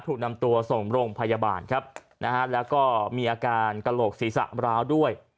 ถูกนำตัวส่งโรงพยาบาลครับนะฮะแล้วก็มีอาการกระโหลกศีรษะร้าวด้วย